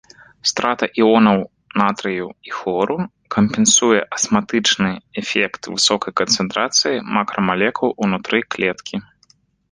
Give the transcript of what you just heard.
Страта іонаў натрыю і хлору кампенсуе асматычны эфект высокай канцэнтрацыі макрамалекул унутры клеткі.